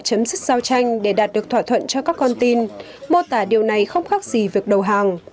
chấm dứt giao tranh để đạt được thỏa thuận cho các con tin mô tả điều này không khác gì việc đầu hàng